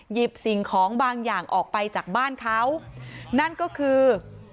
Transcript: หยิบสิ่งของบางอย่างออกไปจากบ้านเขานั่นก็คือ